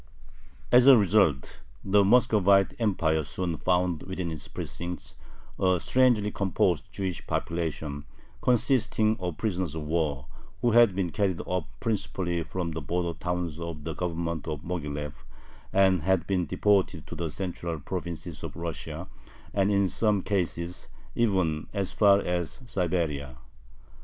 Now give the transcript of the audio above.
As a result the Muscovite Empire soon found within its precincts a strangely composed Jewish population, consisting of prisoners of war, who had been carried off principally from the border towns of the Government of Moghilev, and had been deported to the central provinces of Russia, and in some cases even as far as Siberia.